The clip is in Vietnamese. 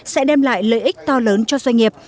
sẽ đem lại lợi ích to lớn cho doanh nghiệp